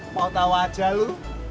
mau tau aja lu